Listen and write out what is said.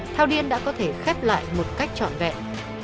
thao điên đã có thể khép lại một cách trọn vẹn